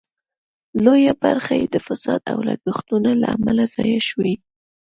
لویه برخه یې د فساد او لګښتونو له امله ضایع شوې.